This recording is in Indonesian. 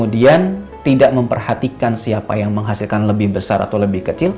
dan tidak memperhatikan siapa yang menghasilkan lebih besar atau lebih kecil